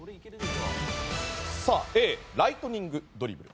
Ａ、ライトニングドリブル。